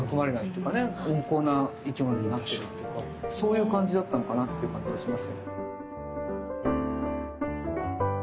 温厚な生き物になってるっていうかそういう感じだったのかなっていう感じもします。